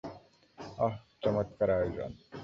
অহ, চমৎকার আয়োজন।